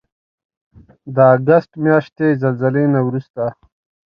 د اګست د میاشتې د زلزلې نه وروسته